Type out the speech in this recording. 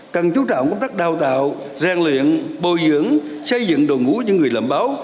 cần chú trọng công tác đào tạo ràng luyện bồi dưỡng xây dựng đồ ngũ những người làm báo